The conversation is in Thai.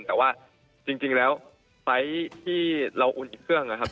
แต่ว่าจริงแล้วไฟล์ที่เราโอนอีกเครื่องนะครับ